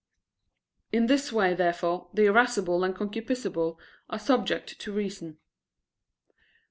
In this way, therefore, the irascible and concupiscible are subject to reason.